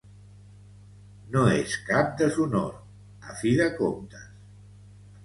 No és pas cap deshonor, a fi de comptes.